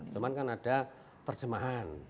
cuma kan ada terjemahan